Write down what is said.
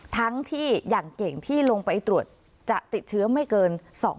ทั้งที่อย่างเก่งที่ลงไปตรวจจะติดเชื้อไม่เกิน